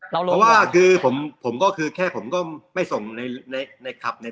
เพราะว่าผมก็คือแค่ผมก็ไม่ส่งที่ตัวสุดท้าย